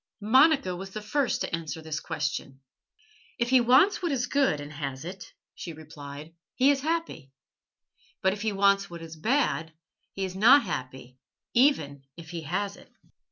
Monica was the first to answer this question. "If he wants what is good and has it," she replied, "he is happy. But if he wants what is bad, he is not happy even if he has it."